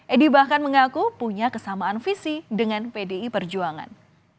edi bahkan mengaku punya kesamaan visi dengan pdi perjuangan